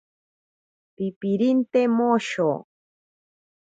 Pipirinte mosho.